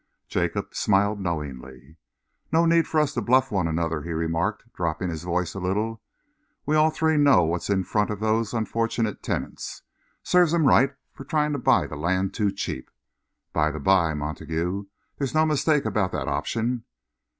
Jacob smiled knowingly. "No need for us to bluff one another," he remarked, dropping his voice a little. "We all three know what's in front of those unfortunate tenants. Serves 'em right for trying to buy the land too cheap. By the bye, Montague, there's no mistake about that option?"